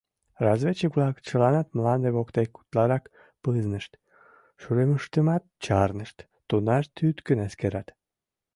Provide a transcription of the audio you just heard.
Разведчик-влак чыланат мланде воктек утларак пызнышт, шӱлымыштымат чарнышт — тунар тӱткын эскерат.